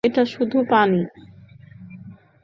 এটা শুধু পানি।